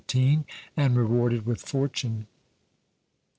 and rewarded with fortune.